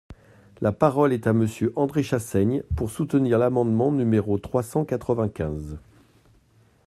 La parole est à Monsieur André Chassaigne, pour soutenir l’amendement numéro trois cent quatre-vingt-quinze.